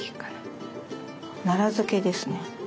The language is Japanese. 奈良漬けですね。